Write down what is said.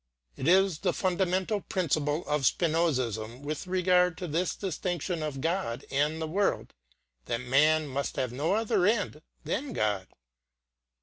It is the fundamental principle of Spinozism with regard to this distinction of God and the world that man must have no other end than God.